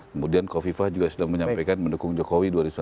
kemudian kofifah juga sudah menyampaikan mendukung jokowi dua ribu sembilan belas